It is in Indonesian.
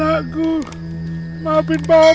adam anakku maafin papi ya mak